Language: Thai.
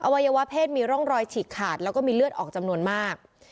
วัยวะเพศมีร่องรอยฉีกขาดแล้วก็มีเลือดออกจำนวนมาก